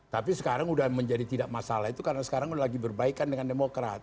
tapi sekarang udah menjadi tidak masalah itu karena sekarang lagi berbaikan dengan demokrat